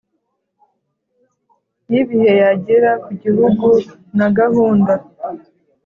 y ibihe yagira ku gihugu na gahunda